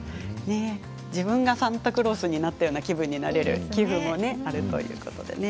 自分がサンタクロースになったような気分になれるということですね。